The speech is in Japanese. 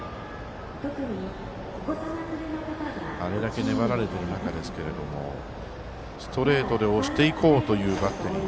あれだけ粘られている中ですがストレートで押していこうというバッテリー。